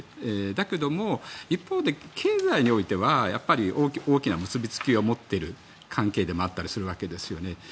だけども一方で経済においては大きな結びつきを持っている関係でもあるわけですよね。